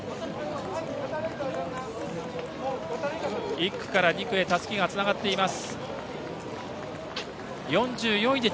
１区から２区へとたすきがつながっています。